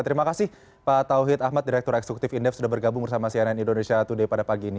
terima kasih pak tauhid ahmad direktur eksekutif indef sudah bergabung bersama cnn indonesia today pada pagi ini